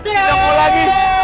tidak mau lagi